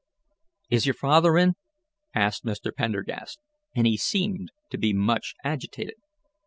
"Is your father in?" asked Mr. Pendergast, and he seemed to be much agitated.